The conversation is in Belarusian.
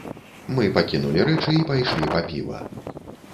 Мы пакінулі рэчы і пайшлі па піва.